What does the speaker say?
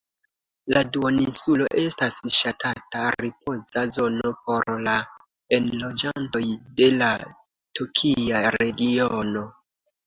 La duoninsulo estas ŝatata ripoza zono por la enloĝantoj de la tokia regiono.